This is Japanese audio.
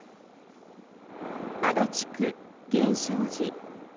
足立区・源証寺。